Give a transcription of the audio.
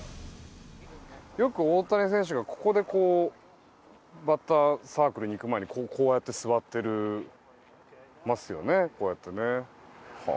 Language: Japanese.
よく大谷選手がここでバッターサークルに行く前にこうやって座ってますよね。